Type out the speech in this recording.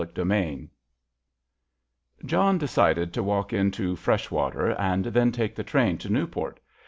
CHAPTER XVI John decided to walk into Freshwater, and then take the train to Newport.